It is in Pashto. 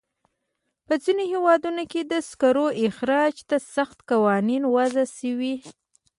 په ځینو هېوادونو کې د سکرو استخراج ته سخت قوانین وضع شوي.